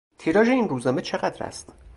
تیراژ این روزنامه چقدر است؟